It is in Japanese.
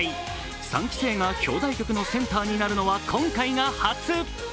三期生が表題曲のセンターになるのは今回が初。